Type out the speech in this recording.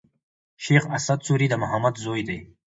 شېخ اسعد سوري د محمد زوی دﺉ.